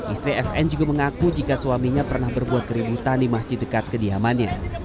istri fn juga mengaku jika suaminya pernah berbuat keributan di masjid dekat kediamannya